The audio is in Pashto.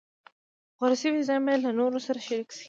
غوره شوی ډیزاین باید له نورو سره شریک شي.